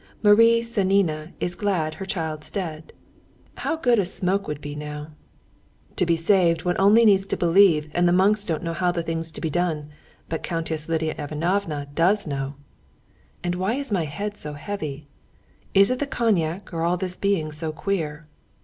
"Marie Sanina is glad her child's dead.... How good a smoke would be now!... To be saved, one need only believe, and the monks don't know how the thing's to be done, but Countess Lidia Ivanovna does know.... And why is my head so heavy? Is it the cognac, or all this being so queer?